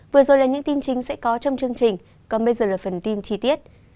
vừa rồi là những tin chính sẽ có trong chương trình còn bây giờ là phần tin chi tiết